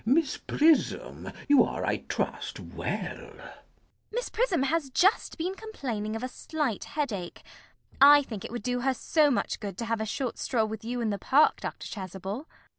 Miss Prism, you are, I trust, well? CECILY. Miss Prism has just been complaining of a slight headache. I think it would do her so much good to have a short stroll with you in the Park, Dr. Chasuble.